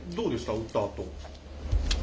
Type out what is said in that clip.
打ったあと。